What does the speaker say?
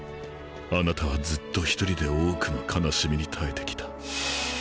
あなたはずっと一人で多くの悲しみに耐えてきた